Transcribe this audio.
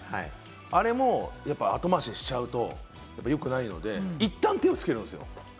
あれも後回しにしちゃうとよくないので、いったん手をつけるんです。